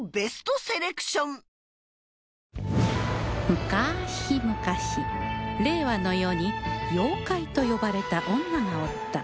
むかしむかし令和の世に妖怪と呼ばれた女がおった